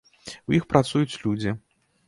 У іх працуюць людзі.